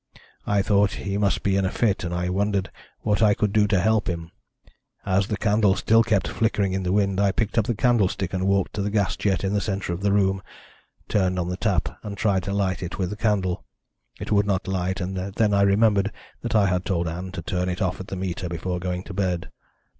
I thought he must be in a fit, and I wondered what I could do to help him. As the candle still kept flickering in the wind, I picked up the candlestick and walked to the gas jet in the centre of the room, turned on the tap and tried to light it with the candle. It would not light, and then I remembered that I had told Ann to turn it off at the meter before going to bed.